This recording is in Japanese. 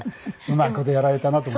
うまい事やられたなと。